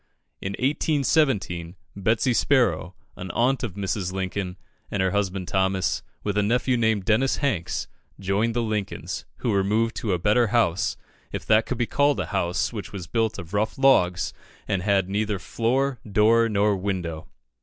In 1817, Betsy Sparrow, an aunt of Mrs. Lincoln, and her husband, Thomas, with a nephew named Dennis Hanks, joined the Lincolns, who removed to a better house, if that could be called a house which was built of rough logs, and had neither floor, door, nor window.